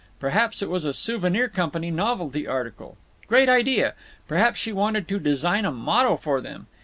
Perhaps it was a Souvenir Company novelty article. Great idea! Perhaps she wanted to design a motto for them.